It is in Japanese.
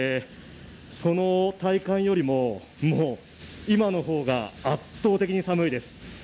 その体感よりも、もう今の方が圧倒的に寒いです。